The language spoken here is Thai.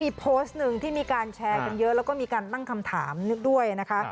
มีโพสต์หนึ่งที่มีการแชร์กันเยอะแล้วก็มีการตั้งคำถามนึกด้วยนะคะ